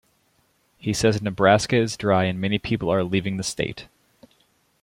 He says Nebraska is dry and many people are leaving the state.